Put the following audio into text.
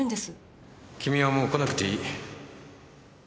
君はもう来なくていい。